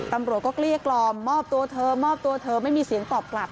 ตำรวจก็เกลี้ยกลอมมอบตัวเธอไม่มีเสียงตอบกลับ